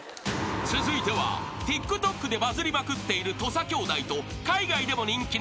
［続いてはＴｉｋＴｏｋでバズりまくっている土佐兄弟と海外でも人気のＣＯＷＣＯＷが対決］